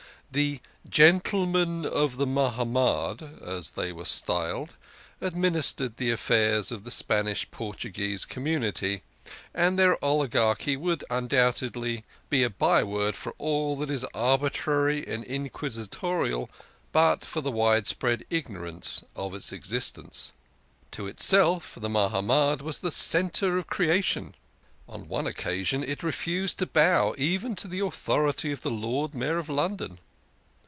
" The gentlemen of the Mahamad," as they were styled, administered the affairs of the Spanish Portuguese community, and their oligarchy would undoubt edly be a byword for all that is arbitrary and inquisitorial but for the widespread ignorance of its existence. To itself the Mahamad was the centre of creation. On one occasion it refused to bow even to the authority of the Lord Mayor of London.